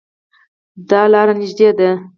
دا لار نږدې ده